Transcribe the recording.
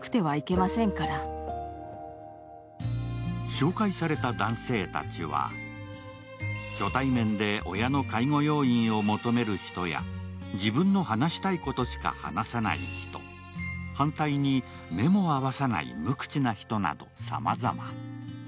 紹介された男性たちは初対面で親の介護要員を求める人や自分の話したいことしか話さない人、反対に目も合わさない無口な人などさまざま。